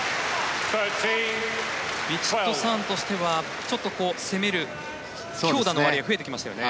ヴィチットサーンとしてはちょっと攻める、強打の割合が増えてきましたよね。